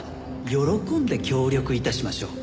喜んで協力致しましょう。